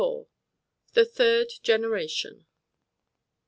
THE THIRD GENERATION.